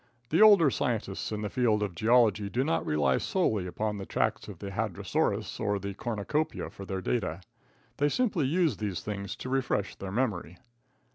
The older scientists in the field of geology do not rely solely upon the tracks of the hadrasaurus or the cornucopia for their data. They simply use these things to refresh their memory.